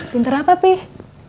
pinter apa pih